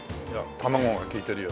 卵が利いてるようまく。